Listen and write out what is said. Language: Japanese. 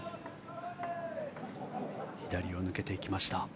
左を抜けていきました。